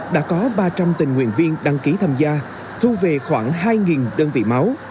đã có ba trăm linh tình nguyện viên đăng ký tham gia thu về khoảng hai đơn vị máu